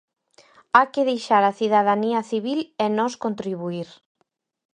Hai que deixar á cidadanía civil e nós contribuír.